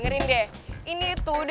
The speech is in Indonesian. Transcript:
baik di sini bond